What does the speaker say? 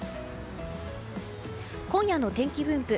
今夜の天気分布。